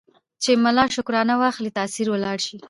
چي ملا شکرانه واخلي تأثیر ولاړ سي